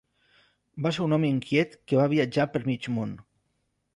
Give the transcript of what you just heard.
Va ser un home inquiet que va viatjar per mig món.